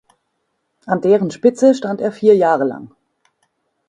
An deren Spitze stand er vier Jahre lang.